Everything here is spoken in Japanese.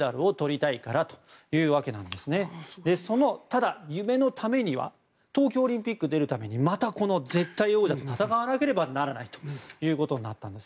ただ、その夢のためには東京オリンピックに出るためにまた絶対王者と戦わなきゃいけないことになったんです。